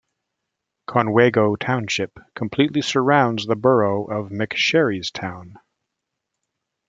Conewago Township completely surrounds the borough of McSherrystown.